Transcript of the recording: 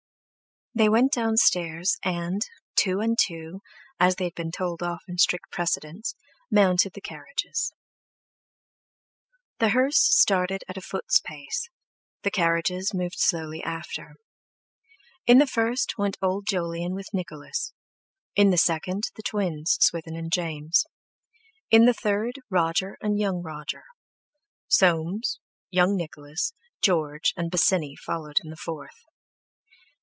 They went downstairs, and, two and two, as they had been told off in strict precedence, mounted the carriages. The hearse started at a foot's pace; the carriages moved slowly after. In the first went old Jolyon with Nicholas; in the second, the twins, Swithin and James; in the third, Roger and young Roger; Soames, young Nicholas, George, and Bosinney followed in the fourth.